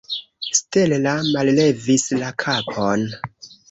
Stella mallevis la kapon.